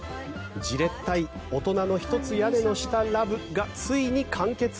じれったいオトナの一つ屋根の下ラブがついに完結！